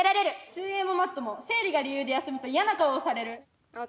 水泳もマットも生理が理由で休むと嫌な顔をされる。